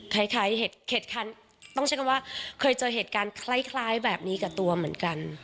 คล้ายเห็ดคันต้องใช้คำว่าเคยเจอเหตุการณ์คล้ายแบบนี้กับตัวเหมือนกัน